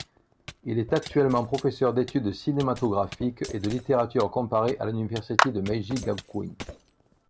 Il est actuellement professeur d'études cinématographiques et de littérature comparée à l'université Meiji Gakuin.